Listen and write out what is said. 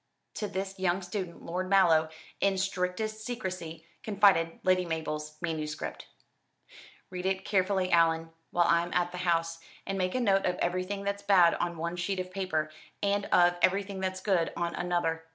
To this young student Lord Mallow, in strictest secrecy, confided Lady Mabel's manuscript. "Read it carefully, Allan, while I'm at the house, and make a note of everything that's bad on one sheet of paper, and of everything that's good on another.